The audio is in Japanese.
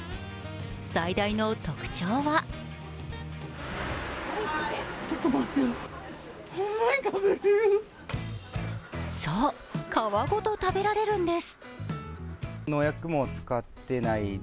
最大の特徴はそう、皮ごと食べられるんです。